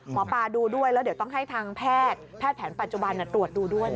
หมอปลาดูด้วยแล้วเดี๋ยวต้องให้ทางแพทย์แพทย์แผนปัจจุบันตรวจดูด้วย